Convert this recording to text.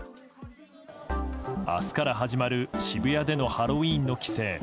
明日から始まる渋谷でのハロウィーンの規制。